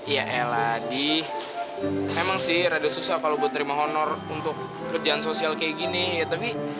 ya el adi emang sih rada susah kalau buat nerima honor untuk kerjaan sosial kayak gini ya tapi